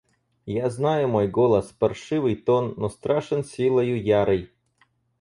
Я знаю мой голос: паршивый тон, но страшен силою ярой.